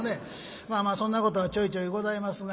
まあまあそんなことがちょいちょいございますが。